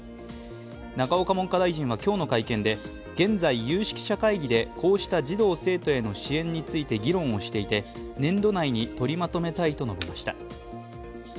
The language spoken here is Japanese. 永岡文科大臣は今日の会見で現在、有識者会議でこうした児童生徒への支援について議論をしていて年度内に取りまとめたいと述べました。